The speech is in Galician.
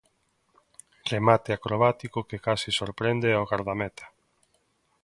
Remate acrobático que case sorprende ao gardameta.